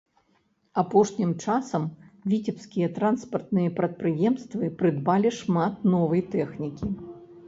Апошнім часам віцебскія транспартныя прадпрыемствы прыдбалі шмат новай тэхнікі.